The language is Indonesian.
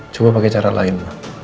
coba pakai cara lain